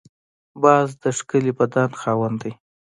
باز د ښکلي بدن خاوند دی